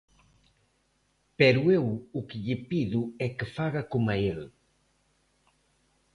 Pero eu o que lle pido é que faga coma el.